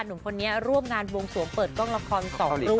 หนุ่มคนนี้ร่วมงานวงสวงเปิดกล้องละครสองร่วงสองเรื่อง